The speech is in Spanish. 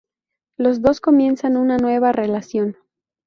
Los dos comienzan una nueva relación.